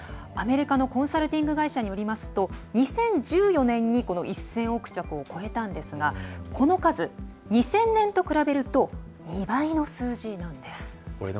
アメリカのコンサルティング会社によりますと２０１４年に１０００億着を超えたんですがこの数、２０００年と比べると２倍の数字なんです。